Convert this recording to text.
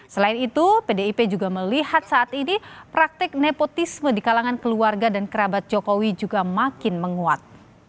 selain itu pdip juga melihat saat ini praktek nepotisme di kalangan keluarga dan kerabat jokowi juga makin menguat